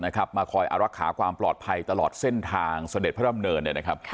มาคอยอารักษาความปลอดภัยตลอดเส้นทางเสด็จพระดำเนิน